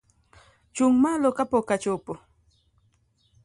Chung' malo ka pok achopo